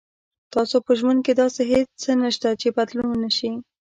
تاسو په ژوند کې داسې هیڅ څه نشته چې بدلون نه شي.